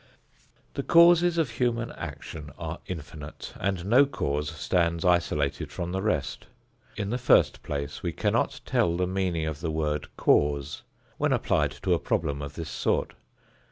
The causes of human action are infinite, and no cause stands isolated from the rest. In the first place we cannot tell the meaning of the word "cause" when applied to a problem of this sort.